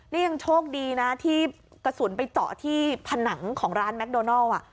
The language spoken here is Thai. นี่ยังโชคดีนะที่กระสุนไปเจาะที่ผนังของร้านแมคโดนัล